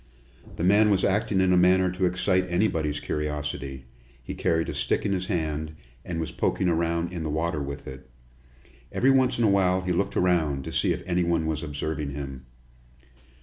The man was acting in a manner to excite anybody's curiosity. He carried a stick in his hand, and was poking around in the water with it. Every once in a while he looked around, to see if anybody was observing him.